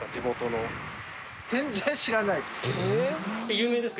有名ですか？